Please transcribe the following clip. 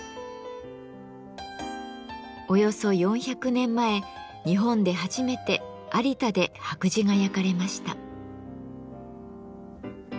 およそ４００年前日本で初めて有田で白磁が焼かれました。